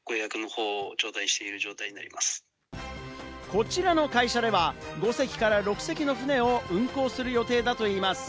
こちらの会社では、５隻から６隻の船を運航する予定だといいます。